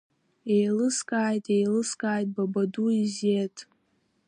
Еилыскааит, еилыскааит, бабаду, Езеҭ!